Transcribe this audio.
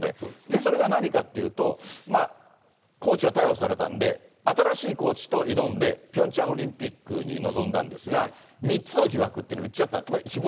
それが何かっていうと、コーチは逮捕されたんで、新しいコーチと挑んでピョンチャンオリンピックに臨んだんですが、３つの疑惑っていうのを言っちゃった。